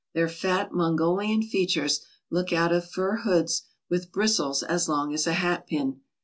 Their fat Mongolian features look out of fur hoods with bristles as long as a hat pin.